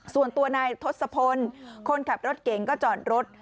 ส่วนตัวนายทศพลคนขับรถเก่งก็จอดรถ